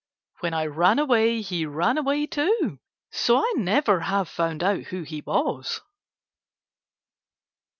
When I ran away, he ran away too, so I never have found out who he was.